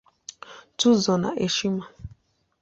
Tuzo na Heshima